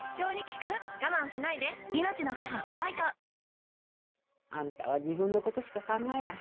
「のどごし生」あんたは自分のことしか考えない。